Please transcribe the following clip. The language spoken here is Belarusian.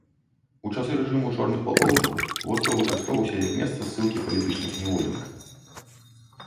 У часы рэжыму чорных палкоўнікаў востраў выкарыстоўваўся як месца ссылкі палітычных зняволеных.